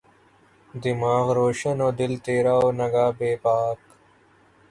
دماغ روشن و دل تیرہ و نگہ بیباک